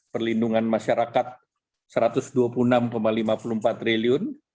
perlindungan masyarakat rp satu ratus dua puluh enam lima puluh empat triliun